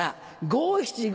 五・七・五。